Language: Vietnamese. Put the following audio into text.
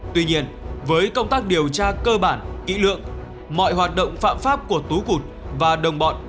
tuy nhiên với công tác điều tra cơ bản kỹ lưỡng mọi hoạt động phạm pháp của tú cụt và đồng bọn